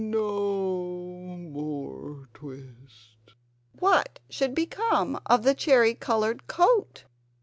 no more twist!" What should become of the cherry coloured coat?